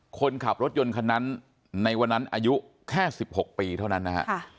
คนขับรถยนต์คันนั้นในวันนั้นอายุแค่๑๖ปีเท่านั้นนะฮะ